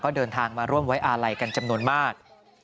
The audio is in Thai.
เดินทางมาร่วมไว้อาลัยกันจำนวนมาก